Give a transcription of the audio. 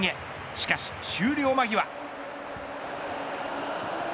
しかし、終了間際。